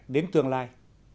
đến tương lai